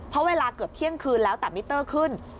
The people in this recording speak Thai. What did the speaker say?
เพราะเวลาเกือบเที่ยงคืนแล้วแต่มิเตอร์ขึ้น